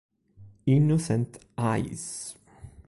Innocent Eyes